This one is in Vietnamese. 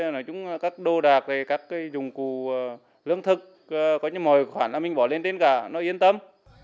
nói chung các đô đạc các dụng cụ lưỡng thực mọi khoản mình bỏ lên tên cả nó yên tâm